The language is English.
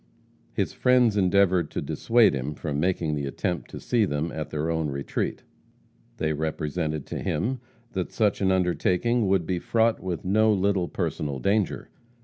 His friends endeavored to dissuade him from making the attempt to see them at their own retreat. They represented to him that such an undertaking would be fraught with no little personal danger.